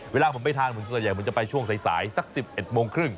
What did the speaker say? เวลาผมไปทานผมส่วนใหญ่ผมจะไปช่วงสายสัก๑๑โมงครึ่ง